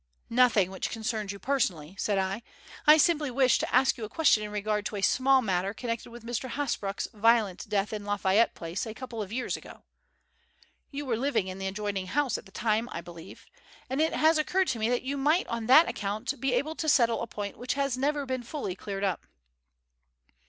"Nothing which concerns you personally," said I. "I simply wish to ask you a question in regard to a small matter connected with Mr. Hasbrouck's violent death in Lafayette Place, a couple of years ago. You were living in the adjoining house at the time I believe, and it has occurred to me that you might on that account be able to settle a point which has never been fully cleared up."